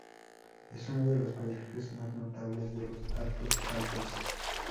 Es uno de los paisajes más notables de los Altos Alpes.